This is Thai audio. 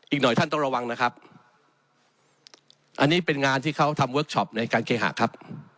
อีกหน่อยท่านต้องระวังนะครับอันนี้เป็นงานที่เขาทำเวิร์คชอปในการเคหะครับ